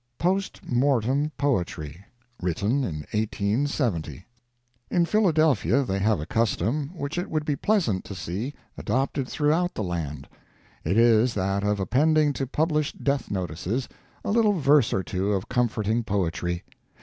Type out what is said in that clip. POST MORTEM POETRY (1) In Philadelphia they have a custom which it would be pleasant to see adopted throughout the land. It is that of appending to published death notices a little verse or two of comforting poetry.